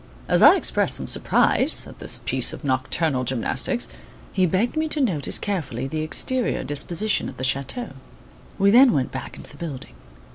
As I expressed some surprise at this piece of nocturnal gymnastics, he begged me to notice carefully the exterior disposition of the chateau. We then went back into the building.